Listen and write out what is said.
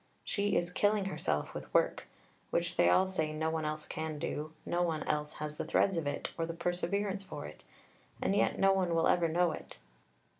She is killing herself with work (which they all say no one else can do, no one else has the threads of it, or the perseverance for it), and yet no one will ever know it.